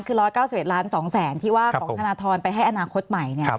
คือ๑๙๑ล้าน๒แสนที่ว่าของธนทรไปให้อนาคตใหม่